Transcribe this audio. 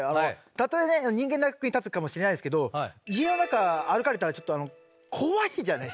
たとえね人間の役に立つかもしれないですけど家の中歩かれたらちょっと怖いじゃないですか。